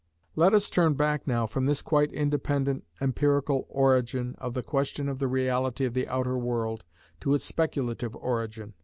Let us turn back now from this quite independent empirical origin of the question of the reality of the outer world, to its speculative origin.